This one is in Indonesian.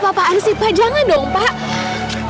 pak pak apaan sih pak jangan dong pak